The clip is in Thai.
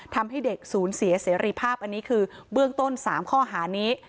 ทำให้เด็กศูนย์เสียเสรีภาพอันนี้คือเบื้องต้น๓ข้อหานี้